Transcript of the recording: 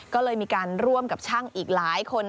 ก็เลยมีการร่วมกับช่างอีกหลายคน